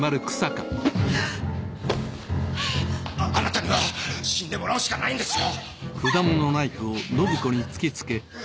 あなたには死んでもらうしかないんですよ